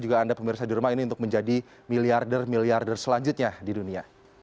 juga anda pemirsa di rumah ini untuk menjadi miliarder miliarder selanjutnya di dunia